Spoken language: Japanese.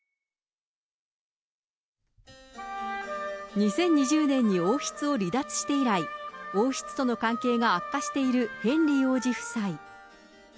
２０２０年に王室を離脱して以来、王室との関係が悪化しているヘンリー王子夫妻。